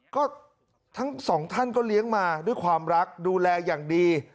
ก็ทั้งสองท่านก็เลี้ยงมาด้วยความรักดูแลอย่างดี